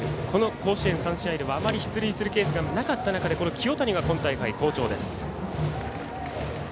甲子園、３試合であまり出塁するケースなかった中清谷が今大会、好調です。